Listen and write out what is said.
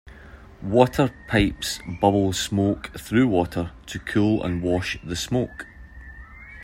Water pipes bubble smoke through water to cool and wash the smoke.